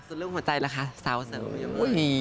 ส่วนเรื่องหัวใจล่ะคะสาวเสริม